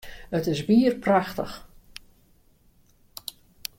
It is wier prachtich!